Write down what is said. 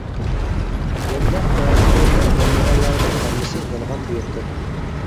مۇنداق پەزىلەتلەر بولمىغانلارنىڭ ھەممىسى يالغان تېۋىپتۇر.